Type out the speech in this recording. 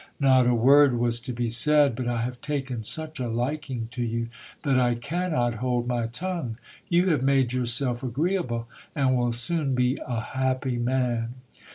Not a word was to be said ; but I have taken such a liking to you that I cannot hold my tongue. You have made yourself agreeable, and will soon be a happy man.